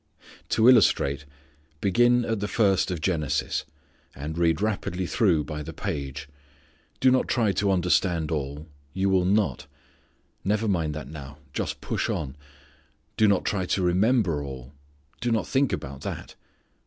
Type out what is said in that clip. To illustrate, begin at the first of Genesis, and read rapidly through by the page. Do not try to understand all. You will not. Never mind that now. Just push on. Do not try to remember all. Do not think about that.